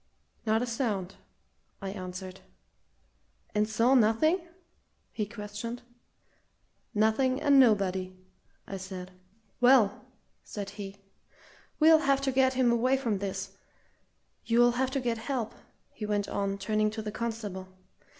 "Not a sound!" I answered. "And saw nothing?" he questioned. "Nothing and nobody!" I said. "Well," said he, "we'll have to get him away from this. You'll have to get help," he went on, turning to the constable.